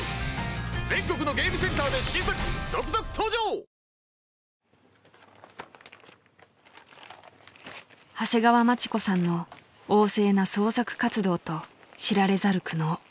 パワーカーブ⁉［長谷川町子さんの旺盛な創作活動と知られざる苦悩］